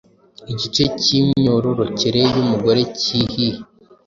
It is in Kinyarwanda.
igice cyimyororokere yumugore cyihihe